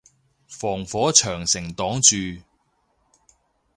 防火長城擋咗